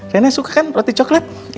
kayaknya suka kan roti coklat